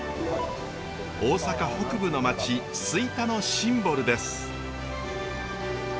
大阪北部の町吹田のシンボルです。